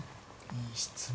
いい質問